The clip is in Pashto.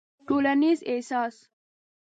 ټولنيز احساس